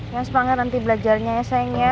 jangan sepangat nanti belajarnya ya sayang ya